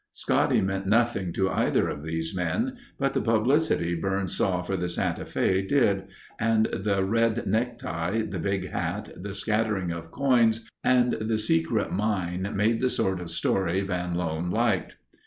Scotty meant nothing to either of these men, but the publicity Byrnes saw for the Santa Fe did, and the red necktie, the big hat, the scattering of coins, and the secret mine made the sort of story Van Loan liked.